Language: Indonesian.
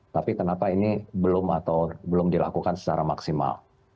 tapi kenapa ini belum atau belum dilakukan secara maksimal